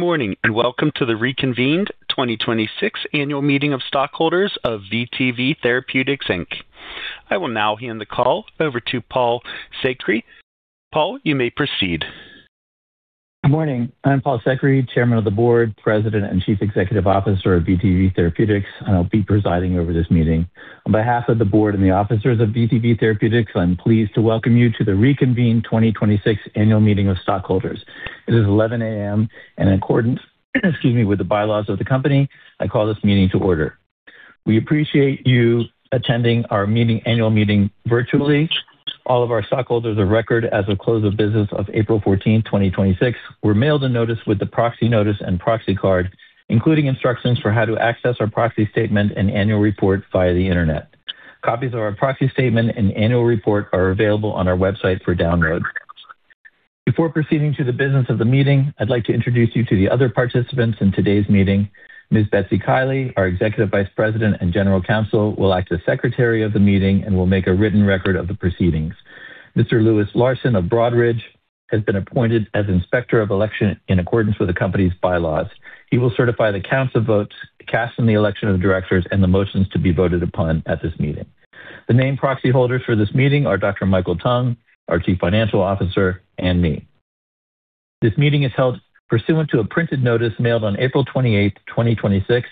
Good morning, welcome to the reconvened 2026 annual meeting of stockholders of vTv Therapeutics. I will now hand the call over to Paul Sekhri. Paul, you may proceed. Good morning. I'm Paul Sekhri, Chairman of the Board, President, and Chief Executive Officer of vTv Therapeutics, I'll be presiding over this meeting. On behalf of the Board and the officers of vTv Therapeutics, I'm pleased to welcome you to the reconvened 2026 annual meeting of stockholders. It is 11:00 A.M., in accordance with the bylaws of the company, I call this meeting to order. We appreciate you attending our annual meeting virtually. All of our stockholders of record as of close of business of April 14, 2026, were mailed a notice with the proxy notice and proxy card, including instructions for how to access our proxy statement and annual report via the Internet. Copies of our proxy statement and annual report are available on our website for download. Before proceeding to the business of the meeting, I'd like to introduce you to the other participants in today's meeting. Ms. Betzy Keiley, our Executive Vice President and General Counsel, will act as Secretary of the Meeting and will make a written record of the proceedings. Mr. Louis Larsen of Broadridge has been appointed as Inspector of Election in accordance with the company's bylaws. He will certify the counts of votes cast in the election of directors and the motions to be voted upon at this meeting. The named proxy holders for this meeting are Dr. Michael Tung, our Chief Financial Officer, and me. This meeting is held pursuant to a printed notice mailed on April 28, 2026,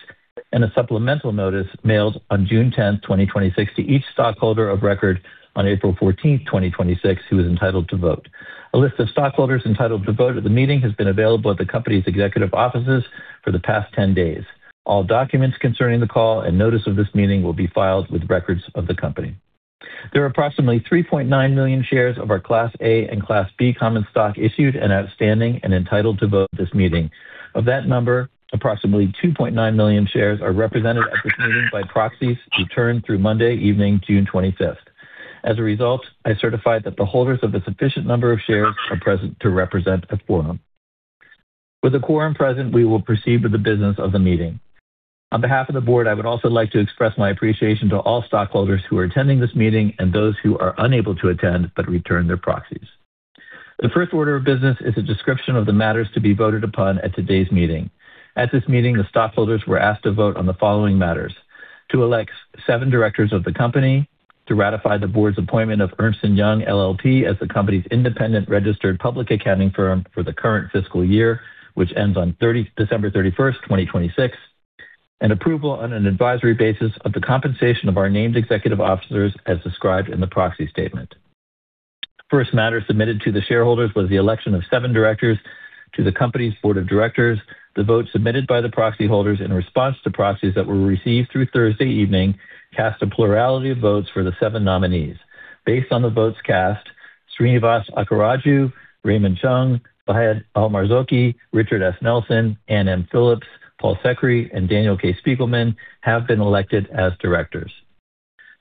and a supplemental notice mailed on June 10, 2026, to each stockholder of record on April 14, 2026, who is entitled to vote. A list of stockholders entitled to vote at the meeting has been available at the company's executive offices for the past 10 days. All documents concerning the call and notice of this meeting will be filed with records of the company. There are approximately 3.9 million shares of our Class A and Class B common stock issued and outstanding and entitled to vote at this meeting. Of that number, approximately 2.9 million shares are represented at this meeting by proxies returned through Monday evening, June 25. As a result, I certify that the holders of a sufficient number of shares are present to represent a quorum. With the quorum present, we will proceed with the business of the meeting. On behalf of the Board, I would also like to express my appreciation to all stockholders who are attending this meeting and those who are unable to attend but returned their proxies. The first order of business is a description of the matters to be voted upon at today's meeting. At this meeting, the stockholders were asked to vote on the following matters: to elect seven directors of the company, to ratify the Board's appointment of Ernst & Young LLP as the company's independent registered public accounting firm for the current fiscal year, which ends on December 31st, 2026, and approval on an advisory basis of the compensation of our named executive officers as described in the proxy statement. First matter submitted to the shareholders was the election of seven directors to the company's board of directors. The votes submitted by the proxy holders in response to proxies that were received through Thursday evening cast a plurality of votes for the seven nominees. Based on the votes cast, Srinivas Akkaraju, Raymond Cheong, Fahed Al Marzooqi, Richard S. Nelson, Anne M. Phillips, Paul Sekhri, and Daniel K. Spiegelman have been elected as directors.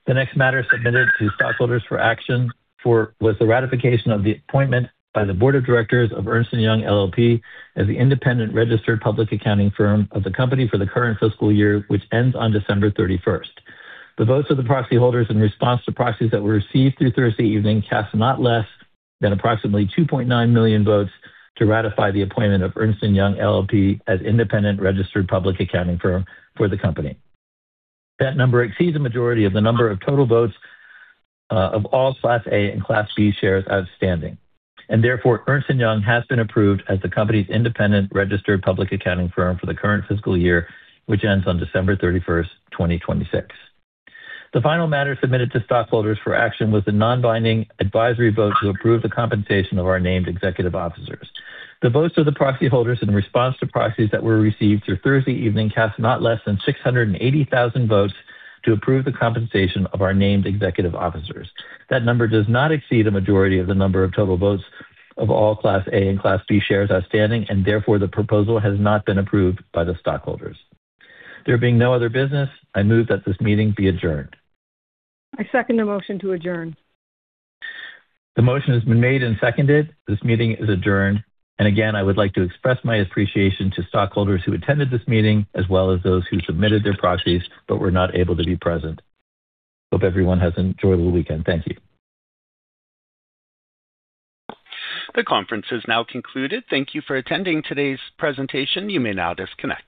The next matter submitted to stockholders for action was the ratification of the appointment by the Board of Directors of Ernst & Young LLP as the independent registered public accounting firm of the company for the current fiscal year, which ends on December 31st. The votes of the proxy holders in response to proxies that were received through Thursday evening cast not less than approximately 2.9 million votes to ratify the appointment of Ernst & Young LLP as independent registered public accounting firm for the company. That number exceeds a majority of the number of total votes of all Class A and Class B shares outstanding. Therefore, Ernst & Young has been approved as the company's independent registered public accounting firm for the current fiscal year, which ends on December 31st, 2026. The final matter submitted to stockholders for action was the non-binding advisory vote to approve the compensation of our named executive officers. The votes of the proxy holders in response to proxies that were received through Thursday evening cast not less than 680,000 votes to approve the compensation of our named executive officers. That number does not exceed a majority of the number of total votes of all Class A and Class B shares outstanding. Therefore, the proposal has not been approved by the stockholders. There being no other business, I move that this meeting be adjourned. I second the motion to adjourn. The motion has been made and seconded. This meeting is adjourned. Again, I would like to express my appreciation to stockholders who attended this meeting as well as those who submitted their proxies but were not able to be present. Hope everyone has an enjoyable weekend. Thank you. The conference is now concluded. Thank you for attending today's presentation. You may now disconnect.